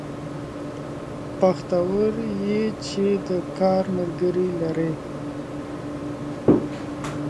بختور يې چې د کار ملګري لرې